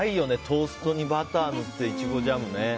トーストにバター塗ってイチゴジャムね。